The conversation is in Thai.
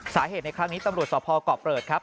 สาเหตุในครั้งนี้ตำรวจสอบภอกรอบเปิดครับ